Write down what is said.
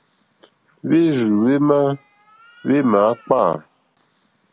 Hwérzù hwémá hwémǎkpâ.